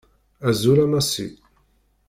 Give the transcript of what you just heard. Azul a Massi.